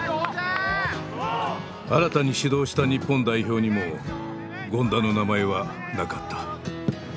新たに始動した日本代表にも権田の名前はなかった。